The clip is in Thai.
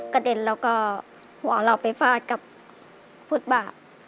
กระดิ่นแล้วก็หัวเราไปฝาดกับพุทธบาท